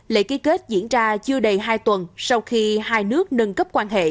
lễ ký kết diễn ra chưa đầy hai tuần sau khi hai nước nâng cấp quan hệ